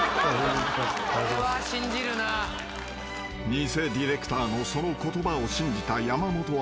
［偽ディレクターのその言葉を信じた山本アナは］